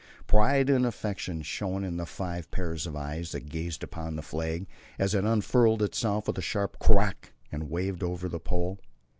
Pride and affection shone in the five pairs of eyes that gazed upon the flag, as it unfurled itself with a sharp crack, and waved over the Pole.